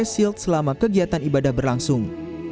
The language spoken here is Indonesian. selama kegiatan ibadah berlangsung